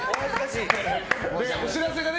お知らせがね